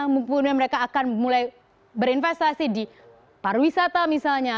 mungkin mereka akan mulai berinvestasi di pariwisata misalnya